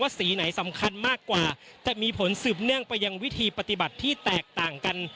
สีไหนสำคัญมากกว่าจะมีผลสืบเนื่องไปยังวิธีปฏิบัติที่แตกต่างกัน